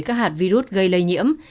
các hạt virus gây lây nhiễm